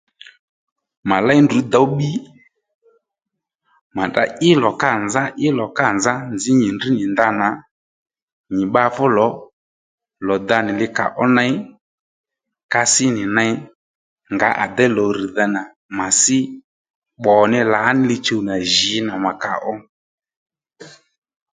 Mà léy ndrǔ dǒw bbi mà tdra í lò kâ nzá í lò kâ nzá nzǐ nyi ndrŕ nyì ndanà nyì bba fú lò lò da nì li kà ó ney ka sí nì ney ngǎ à déy lò rr̀dha nà mà sí bbò ní lǎ í li-chuw nà jǐ nà mà kà ó